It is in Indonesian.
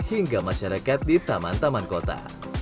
hingga masyarakat di taman taman kota